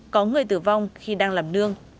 có người tử vong khi đang làm nương